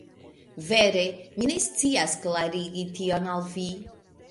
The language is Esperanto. Vere, mi ne scias klarigi tion al vi.